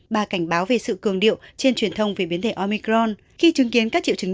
bà cảnh báo về sự cường điệu trên truyền thông về biến thể omicron